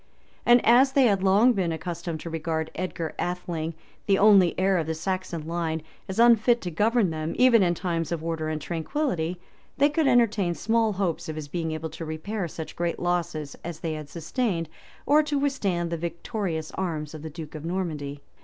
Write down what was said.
And as they had long been accustomed to regard Edgar Atheling, the only heir of the Saxon line, as unfit to govern them even in times of order and tranquillity, they could entertain small hopes of his being able to repair such great losses as they had sustained, or to withstand the victorious arms of the duke of Normandy.